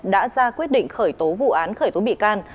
đã ra quyết định khởi tố vụ án khởi tố bị can